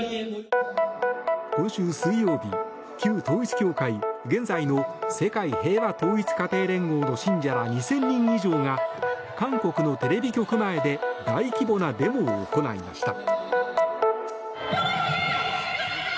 今週水曜日、旧統一教会現在の世界平和統一家庭連合の信者ら２０００人以上が韓国のテレビ局前で大規模なデモを行いました。